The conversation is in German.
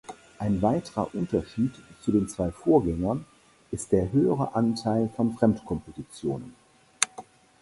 Ein weiterer Unterschied zu den zwei Vorgängern ist der höhere Anteil von Fremdkompositionen.